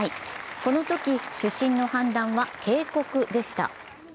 このとき主審の判断は警告でした。